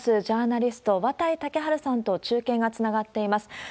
ジャーナリスト、綿井健陽さんと中継がつながっています。